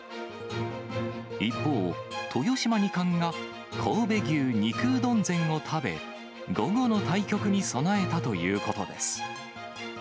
一方、豊島二冠が神戸牛肉うどん膳を食べ、午後の対局に備えたということです。